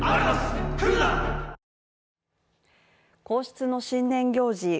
皇室の新年行事